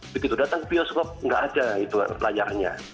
begitu datang ke bioskop nggak ada itu layarnya